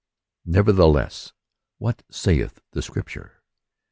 << Nevertheless whatsaith the scripture?